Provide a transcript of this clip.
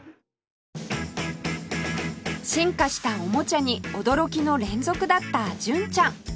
進化したおもちゃに驚きの連続だった純ちゃん